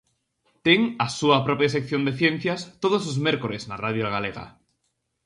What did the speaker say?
Ten a súa propia sección de ciencias todos os mércores na Radio Galega.